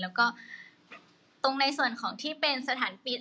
แล้วก็ตรงในส่วนของที่เป็นสถานปิด